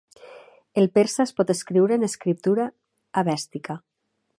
El persa es pot escriure en escriptura avèstica.